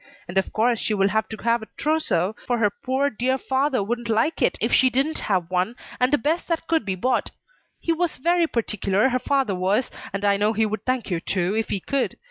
And of course she will have to have a trousseau, for her poor, dear father wouldn't like it if she didn't have one, and the best that could be bought. He was very particular, her father was, and I know he would thank you, too, if he could.